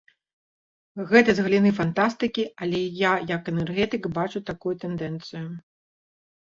Гэта з галіны фантастыкі, але я як энергетык бачу такую тэндэнцыю.